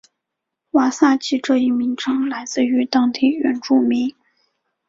瓦萨奇这一名称来自于当地原住民。